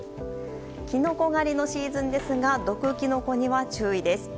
キノコ狩りのシーズンですが毒キノコには注意です。